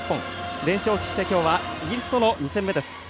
連勝を目指して今日はイギリスとの２戦目です。